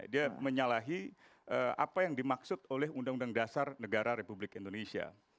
dia menyalahi apa yang dimaksud oleh undang undang dasar negara republik indonesia